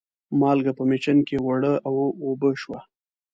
مالګه په مېچن کې اوړه و اوبه شوه.